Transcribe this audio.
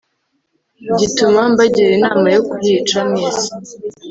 gituma mbagira inama yo kuyica mwese.”